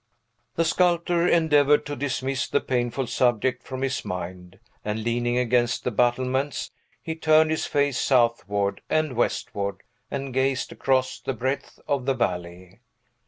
The sculptor endeavored to dismiss the painful subject from his mind; and, leaning against the battlements, he turned his face southward and westward, and gazed across the breadth of the valley.